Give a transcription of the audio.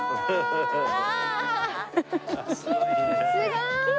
すごーい！